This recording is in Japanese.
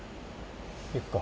行くか。